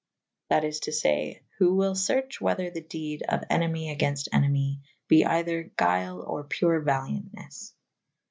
^ That is to fay who wyll ferche whether the dede of enemy agaynlte enemy be [C ii a] either gyle or pure valyantnes ?